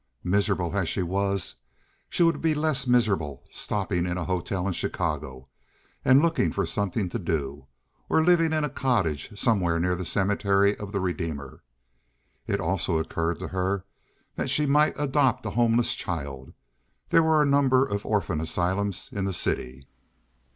Miserable as she was, she would be less miserable stopping in a hotel in Chicago, and looking for something to do, or living in a cottage somewhere near the Cemetery of the Redeemer. It also occurred to her that she might adopt a homeless child. There were a number of orphan asylums in the city.